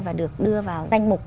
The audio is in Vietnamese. và được đưa vào danh mục